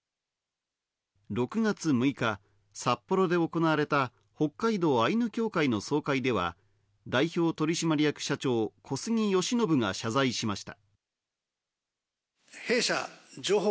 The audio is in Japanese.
６月６日、札幌で行われた北海道アイヌ協会の総会では、代表取締役社長・小杉善信が謝罪しました。